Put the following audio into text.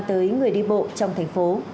tới người đi bộ trong thành phố